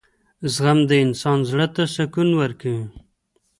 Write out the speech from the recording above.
• زغم د انسان زړۀ ته سکون ورکوي.